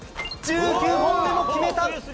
１９本目も決めた！